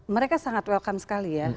mereka sangat welcome sekali ya